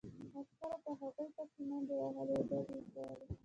عسکرو په هغوی پسې منډې وهلې او ډزې یې کولې